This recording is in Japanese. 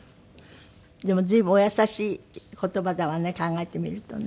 でも随分お優しい言葉だわね考えてみるとね。